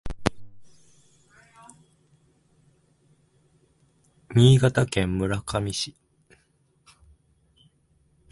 新潟県村上市